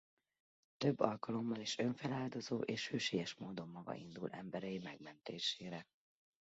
Több alkalommal is önfeláldozó és hősies módon maga indul emberei megmentésére.